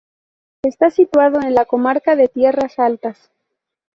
Está situado en la comarca de Tierras Altas.